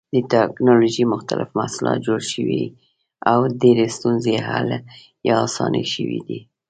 د ټېکنالوجۍ مختلف محصولات جوړ شوي او ډېرې ستونزې حل یا اسانې شوې دي.